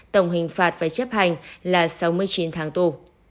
tổng hình phạt phải chấp hành là sáu mươi chín tháng tù